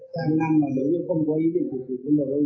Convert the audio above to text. chúc các gia đình